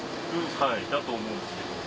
はいだと思うんですけど。